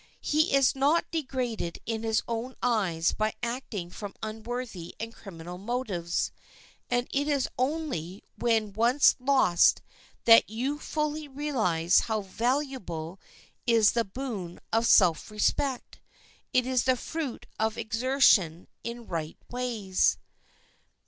He is not degraded in his own eyes by acting from unworthy and criminal motives. And it is only when once lost that you fully realize how valuable is this boon of self respect. It is the fruit of exertion in right ways.